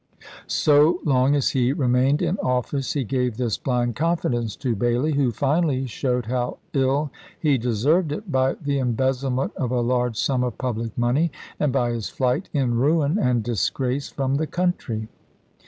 So long as he remained JuneMse*. in office he gave this blind confidence to Bailey, who finally showed how ill he deserved it by the embezzlement of a large sum of public money, and by his flight in ruin and disgrace from the country.